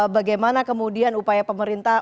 bagaimana kemudian upaya pemerintah